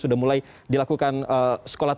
sudah mulai dilakukan sekolah